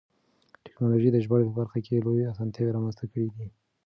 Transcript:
تکنالوژي د ژباړې په برخه کې لویې اسانتیاوې رامنځته کړې دي.